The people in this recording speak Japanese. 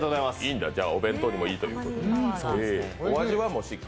じゃあお弁当にもいいということで。